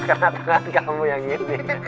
karena tangan kamu yang ini